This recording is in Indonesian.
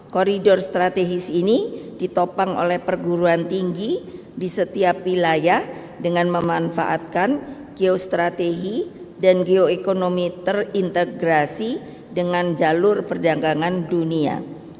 koridor strategis ini ditopang oleh perguruan tinggi di setiap wilayah dengan memanfaatkan geostrategi dan geoekonomi terintegrasi dengan jalur perdagangan dunia